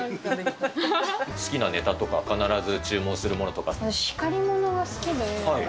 好きなネタとか、必ず注文す私、光り物が好きで。